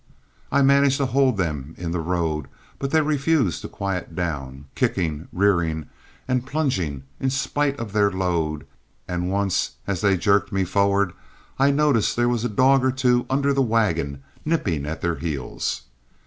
I managed to hold them in the road, but they refused to quiet down, kicking, rearing, and plunging in spite of their load; and once as they jerked me forward, I noticed there was a dog or two under the wagon, nipping at their heels.